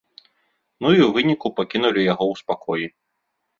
Ну і ў выніку пакінулі яго ў спакоі.